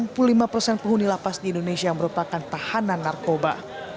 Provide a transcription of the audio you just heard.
enam puluh lima persen penghuni lapas di indonesia yang merupakan tahanan narkoba